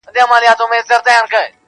• خو د دې قوم د یو ځای کولو -